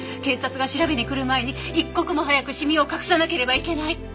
警察が調べに来る前に一刻も早くシミを隠さなければいけない。